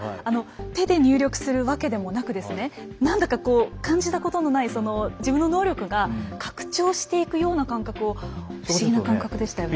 手で入力するわけでもなくなんだかこう感じたことのない自分の能力が拡張していくような感覚を不思議な感覚でしたよね。